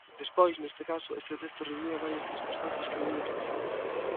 Despois, neste caso, este texto reunía varias circunstancias que a min me encantaban.